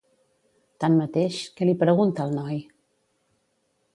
Tanmateix, què li pregunta el noi?